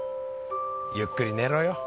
ゆっくり寝ろよ。